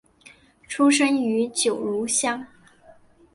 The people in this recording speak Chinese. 出生于九如乡。